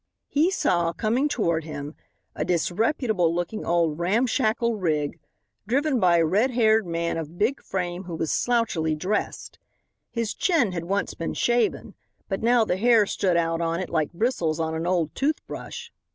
He saw, coming toward him, a disreputable looking old ramshackle rig, driven by a red haired man of big frame who was slouchily dressed. His chin had once been shaven, but now the hair stood out on it like bristles on an old tooth brush.